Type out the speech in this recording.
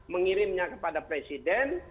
mengirimnya kepada presiden